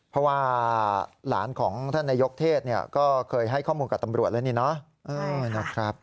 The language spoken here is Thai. เพราะว่าหลานของท่านนายกเทศก็เคยให้ข้อมูลกับตำรวจแล้วนี่เนาะ